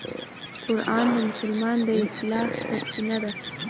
قرآن د مسلمان د اصلاح سرچینه ده.